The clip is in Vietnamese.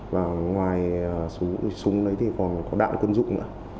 và ngoài số súng đấy thì còn có đạn quân dụng nữa